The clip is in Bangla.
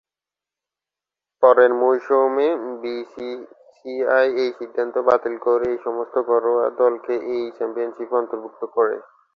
পরের মৌসুমে, বিসিসিআই সেই সিদ্ধান্ত বাতিল করে ও সমস্ত ঘরোয়া দলকে এই চ্যাম্পিয়নশিপে অন্তর্ভুক্ত করে।